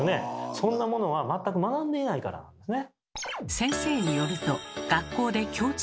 そんなものは全く学んでいないからなんですね。